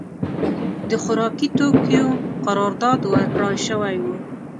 د خوارکي توکیو قرارداد ورکړای شوی و.